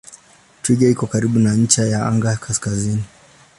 Twiga iko karibu na ncha ya anga ya kaskazini.